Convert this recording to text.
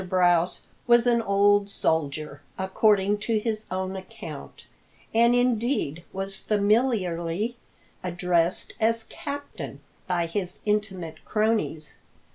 Brouse was an old soldier, according to his own account, and indeed was familiarly addressed as "Captain" by his intimate cronies.